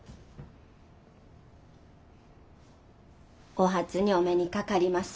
お初にお目にかかります。